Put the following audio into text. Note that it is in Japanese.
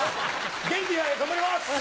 元気で頑張ります！